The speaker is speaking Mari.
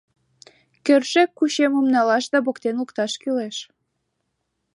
Кӧршӧк кучемым налаш да поктен лукташ кӱлеш.